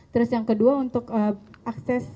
terus yang kedua untuk akses